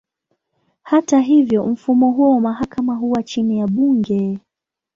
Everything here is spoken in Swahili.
Hata hivyo, mfumo huo wa mahakama huwa chini ya bunge.